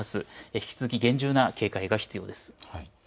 引き続き厳重な警戒が必要です。